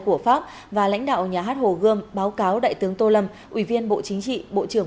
của pháp và lãnh đạo nhà hát hồ gươm báo cáo đại tướng tô lâm ủy viên bộ chính trị bộ trưởng